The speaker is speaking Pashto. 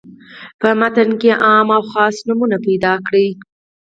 په متن کې عام او خاص نومونه پیداکړي.